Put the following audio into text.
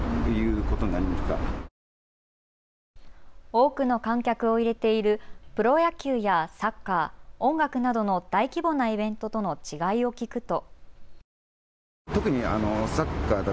多くの観客を入れているプロ野球やサッカー、音楽などの大規模なイベントとの違いを聞くと。